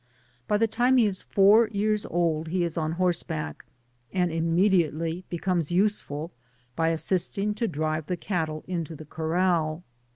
By the time he is four years old he is on horseback, and immediately becomes useful by assi3ting to drive the cattle into the corr&l.